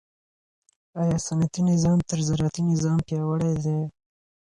آیا صنعتي نظام تر زراعتي نظام پیاوړی دی؟